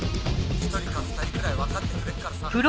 １人か２人くらい分かってくれっからさ。